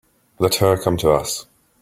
Let her come to us.